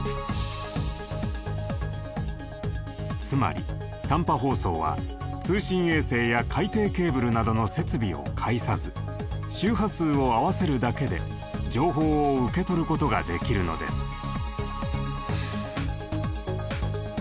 つまり短波放送は通信衛星や海底ケーブルなどの設備を介さず周波数を合わせるだけで情報を受け取ることができるのです。